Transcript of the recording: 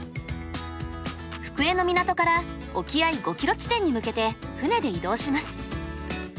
福江の港から沖合５キロ地点に向けて船で移動します。